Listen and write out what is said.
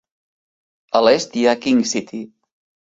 A l'est hi ha King City.